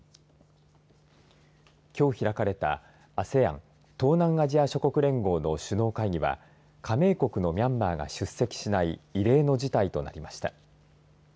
きょう開かれた、ＡＳＥＡＮ東南アジア諸国連合の首脳会議は加盟国のミャンマーが出席しない異例の事態となりました。